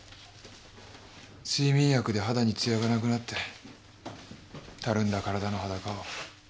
睡眠薬で肌にツヤがなくなってたるんだ体の裸を。